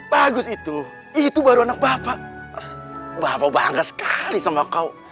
bagus itu itu baru anak bapak bapak bangga sekali sama kau